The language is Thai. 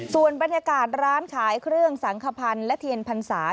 ส่วนบรรยากาศร้านขายเครื่องสังขพันธ์และเทียนพรรษา